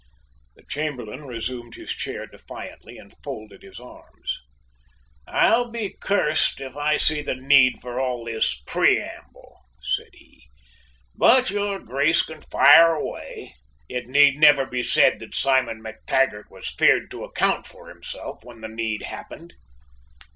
The Chamberlain resumed his chair defiantly and folded his arms. "I'll be cursed if I see the need for all this preamble," said he; "but your Grace can fire away. It need never be said that Simon MacTaggart was feared to account for himself when the need happened."